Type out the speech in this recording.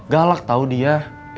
galak tau dia